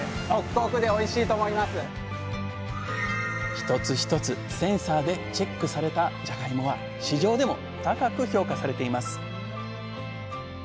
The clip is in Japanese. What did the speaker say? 一つ一つセンサーでチェックされたじゃがいもは市場でも高く評価されています